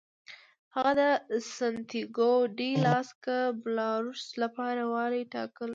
هغه د سنتیاګو ډي لاس کابالروس لپاره والي وټاکل شو.